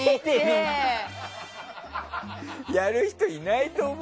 やる人いないと思うよ。